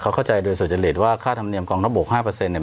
เขาเข้าใจโดยสุจริตว่าค่าธรรมเนียมกองรับบวกห้าเปอร์เซ็นต์เนี้ย